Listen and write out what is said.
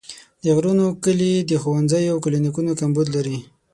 د غرونو کلي د ښوونځیو او کلینیکونو کمبود لري.